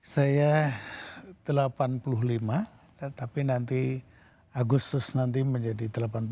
saya delapan puluh lima tetapi nanti agustus nanti menjadi delapan puluh